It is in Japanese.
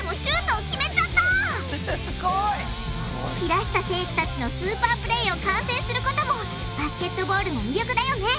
平下選手たちのスーパープレーを観戦することもバスケットボールの魅力だよね。